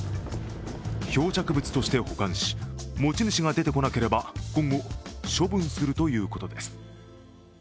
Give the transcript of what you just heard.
漂着物として保管し持ち主が出てこなければ今後、処分するということです。